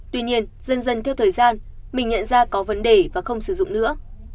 tuy nhiên dần dần theo thời gian mình nhận ra có vấn đề và không sử dụng nữa